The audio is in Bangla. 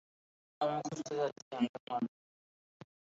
আমি খুজতে যাচ্ছি আংকেল মার্টিন্কে।